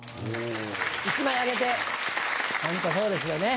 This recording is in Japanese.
１枚あげてホントそうですよね。